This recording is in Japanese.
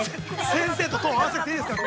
◆先生とトーンを合わせなくていいですから。